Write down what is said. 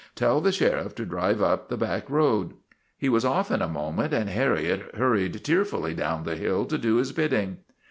Tell the sheriff to drive up the back road." He was off in a moment and Harriet hurried tearfully down the hill to do his bidding.